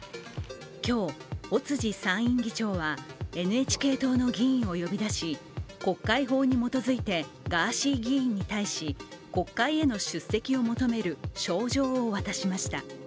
今日、尾辻参院議長はＮＨＫ党の議員を呼び出し、国会法に基づいてガーシー議員に対し国会への出席を求める招状を渡しました。